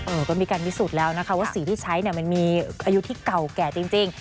ก็มีการพิสูจน์แล้วนะคะว่าสีที่ใช้เนี่ยมันมีอายุที่เก่าแก่จริง